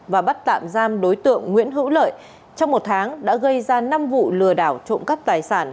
và bắt tạm giam đối tượng nguyễn hữu lợi trong một tháng đã gây ra năm vụ lừa đảo trộm cắp tài sản